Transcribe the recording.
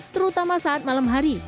terutama saat malam hari